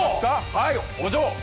はいお嬢！